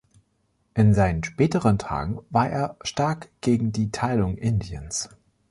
In seinen späteren Tagen war er stark gegen die Teilung Indiens.